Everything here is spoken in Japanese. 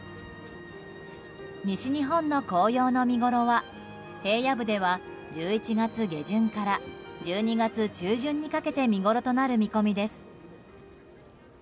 西日本の紅葉の見ごろは平野部では１１月下旬から１２月中旬にかけて見ごろとなる見込みです。